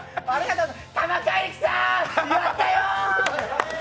玉海力さん、やったよー！